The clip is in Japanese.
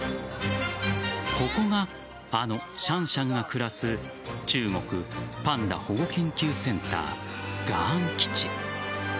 ここがあのシャンシャンが暮らす中国パンダ保護研究センター雅安基地。